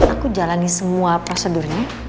aku jalani semua prosedurnya